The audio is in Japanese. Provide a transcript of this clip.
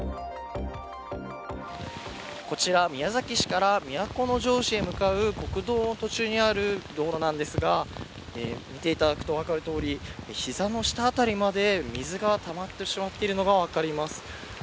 こちら宮崎市から都城市へ向かう国道の途中にある道路なんですが見ていただくと分かるとおり膝の下辺りまで水がたまってしまっているのが分かります。